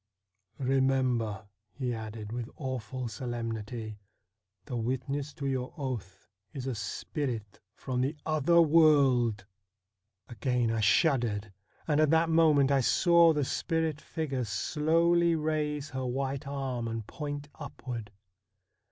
' Remember,' he added with awful solemnity, ' the witness to your oath is a spirit from the other world !' Again I shuddered, and at that moment I saw the spirit figure slowly raise her white arm and point upward.